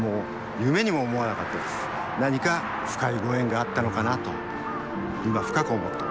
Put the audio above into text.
何か深いご縁があったのかなと今深く思ってます。